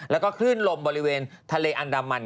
แล้วก็ขึ้นลมบริเวณทะเลอันดามัณฑ์